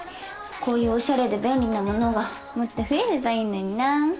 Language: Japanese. こういうおしゃれで便利な物がもっと増えればいいのにな。